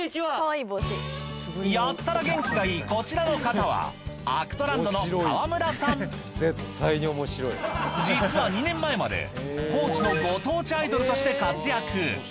やたら元気がいいこちらの方は実は２年前まで高知のご当地アイドルとして活躍